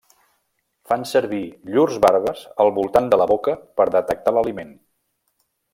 Fan servir llurs barbes al voltant de la boca per detectar l'aliment.